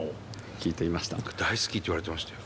大好きって言われてましたよ。